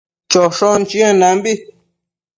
choshon chiendambi